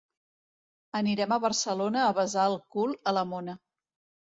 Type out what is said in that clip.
Anirem a Barcelona a besar el cul a la mona.